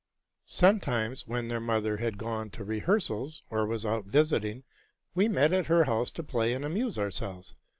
Sometimes, when their mother had gone to rehearsals, or was out visiting, we met at her house to play and amuse ourselves.